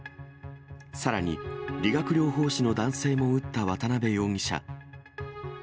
さらに、理学療法士の男性も撃った渡辺容疑者。